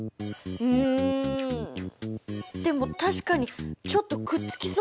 うんでも確かにちょっとくっつきそうな。